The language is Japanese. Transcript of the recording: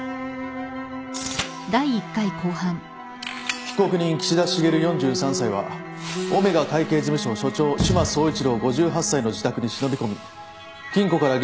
被告人岸田茂４３歳はオメガ会計事務所所長志摩総一郎５８歳の自宅に忍び込み金庫から現金１１３万円を窃取した。